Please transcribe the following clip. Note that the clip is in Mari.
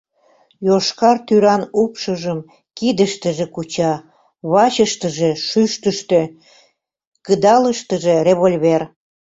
Йошкар тӱран упшыжым кидыштыже куча, вачыштыже шӱштыштӧ, кыдалыштыже револьвер.